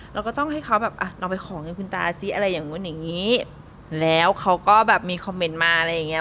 เราก็ต้องให้เขาแบบอ่ะลองไปขอเงินคุณตาซิอะไรอย่างนู้นอย่างนี้แล้วเขาก็แบบมีคอมเมนต์มาอะไรอย่างเงี้